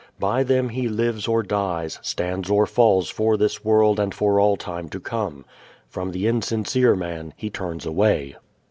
By them he lives or dies, stands or falls for this world and for all time to come. From the insincere man he turns away.